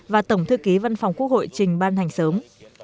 và tổng thư ký văn phòng quốc hội trình ban hành sớm